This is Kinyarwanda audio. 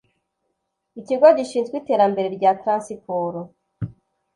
Ikigo Gishinzwe Iterambere rya Transiporo